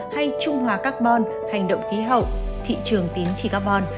hay trung hòa carbon hành động khí hậu thị trường tín trị carbon